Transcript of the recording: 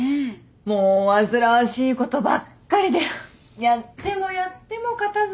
もう煩わしいことばっかりでやってもやっても片付かない。